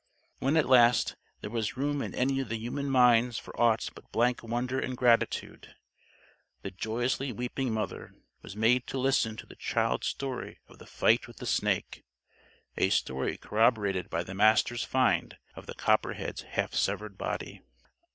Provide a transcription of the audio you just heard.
When, at last, there was room in any of the human minds for aught but blank wonder and gratitude, the joyously weeping mother was made to listen to the child's story of the fight with the snake a story corroborated by the Master's find of the copperhead's half severed body.